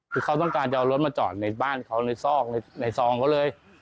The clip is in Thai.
คือเขาต้องการจะเอารถมาจอดในบ้านเขาในซอกในซองเขาเลย